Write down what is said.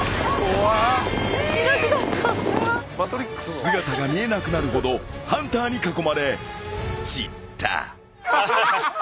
［姿が見えなくなるほどハンターに囲まれ散った］